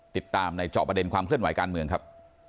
ติดตามในเจาะประเด็นความเคลื่อนไหวการเมืองครับ